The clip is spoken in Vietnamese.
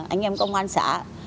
anh em công an xã